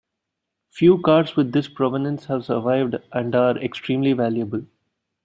Few cars with this provenance have survived and are extremely valuable.